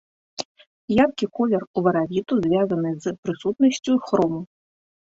Яркі колер уваравіту звязаны з прысутнасцю хрому.